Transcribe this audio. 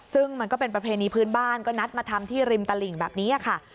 ซึ่งมันก็เป็นประเพณีพื้นบ้านก็นัดมาทำที่ริมตลิ่งแบบนี้ค่ะ